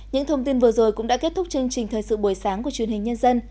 những thông tin vừa rồi cũng đã kết thúc chương trình thời sự buổi sáng của truyền hình nhân dân